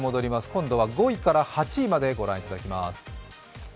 今度は５位から８位まで御覧いただきます。